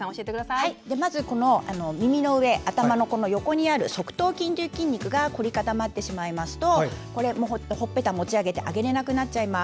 まず耳の上、頭の横にある側頭筋という筋肉が凝り固まってしまいますとほっぺた持ち上げられなくなります。